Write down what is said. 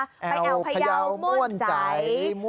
ไปเอาพยาวม่วนใจ